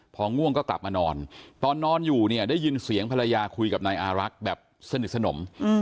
พอง่วงก็กลับมานอนตอนนอนอยู่เนี่ยได้ยินเสียงภรรยาคุยกับนายอารักษ์แบบสนิทสนม